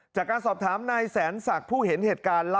จากการสอบถามนายแสนศักดิ์ผู้เห็นเหตุการณ์